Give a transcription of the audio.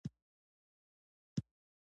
آیا د خرقه مطهره زیارت ته خلک ځي؟